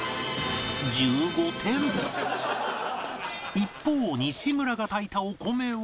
一方西村が炊いたお米は